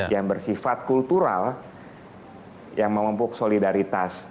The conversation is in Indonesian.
yang bersifat kultural yang memumpuk solidaritas